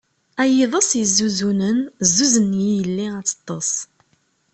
A yiḍes yezzuzunen, zuzen-iyi yelli ad teṭṭes.